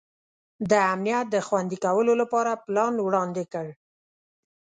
د امنیت د خوندي کولو لپاره پلان وړاندي کړ.